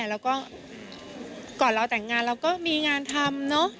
แล้วก็ก่อนเราแต่งงานเราก็มีงานทำเนอะ